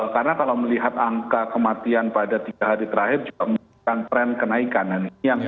karena kalau melihat angka kematian pada tiga hari terakhir juga menunjukkan tren kenaikan